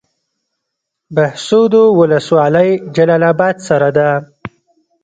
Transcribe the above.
بهسودو ولسوالۍ جلال اباد سره ده؟